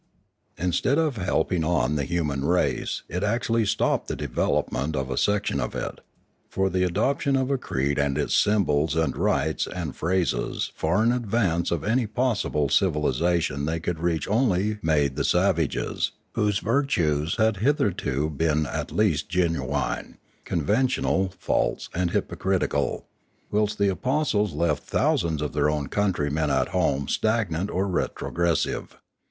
Instead of helping on the human race, it actually stopped the development of a section of it; for the adoption of a creed and its symbols and rites and phrases far in advance of any possible civilisation they could reach only made the savages— whose virtues Ethics 6 1 1 had hitherto been at least genuine — conventional, false, and hypocritical ; whilst the apostles left thousands of their own countrymen at home stagnant or retrogress ive.